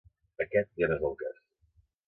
Aquest ja no és el cas.